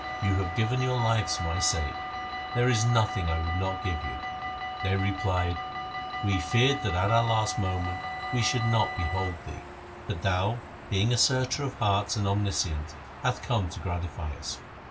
You have given your lives for my sake. There is nothing I would not give you.' They replied, ' We feared that at our last moment we should not behold thee; but thou, being a searcher of hearts and omniscient, hast come to gratify us.